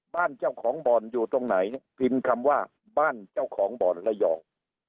บ้านเจ้าของบ่อนอยู่ตรงไหนพิมพ์คำว่าบ้านเจ้าของบ่อนระยอง